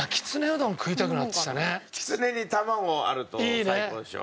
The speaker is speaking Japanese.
きつねに卵あると最高でしょ。